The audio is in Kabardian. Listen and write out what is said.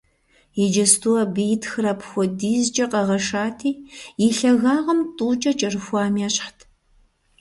Иджыпсту абы и тхыр апхуэдизкӀэ къэгъэшати, и лъагагъым тӀукӀэ кӀэрыхуам ещхьт.